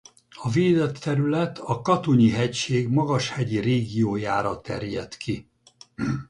A védett terület a Katunyi-hegység magashegyi régiójára terjed ki.